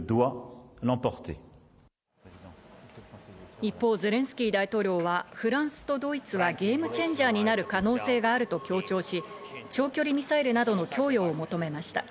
一方、ゼレンスキー大統領はフランスとドイツはゲームチェンジャーになる可能性があると強調し、長距離ミサイルなどの供与を求めました。